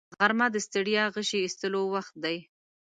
غرمه د ستړیا غشي ایستلو وخت دی